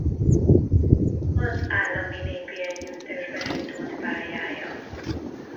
Az Állami Népi Együttesben indult pályája.